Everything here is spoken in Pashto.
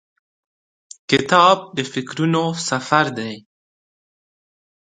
کتاب د فکرونو سفر دی.